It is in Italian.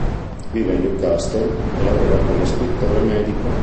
Vive a Newcastle e lavora come scrittore medico.